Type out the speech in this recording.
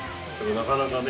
なかなかね